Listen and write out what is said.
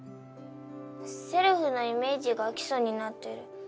せるふのイメージが基礎になってる。